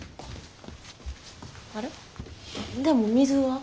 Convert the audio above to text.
あれでも水は？